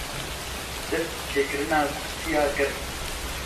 dest bi çêkirina kursîya kir